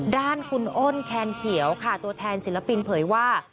ด้านคุณอ้นแคนเขียวค่ะตัวแทนศิลปินเผยว่า